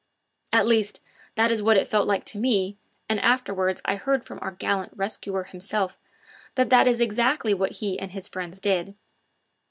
At least, that is what it all felt like to me, and afterwards I heard from our gallant rescuer himself that that is exactly what he and his friends did.